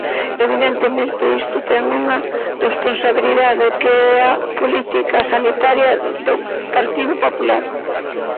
Evidentemente, isto ten unha responsabilidade, que é a política sanitaria do Partido Popular.